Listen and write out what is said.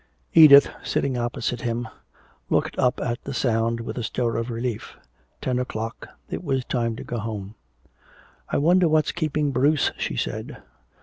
Edith, sitting opposite him, looked up at the sound with a stir of relief. Ten o'clock. It was time to go home. "I wonder what's keeping Bruce," she said.